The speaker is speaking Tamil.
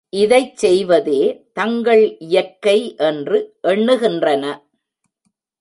இதைச் செய்வதே தங்கள் இயற்கை என்று எண்ணுகின்றன.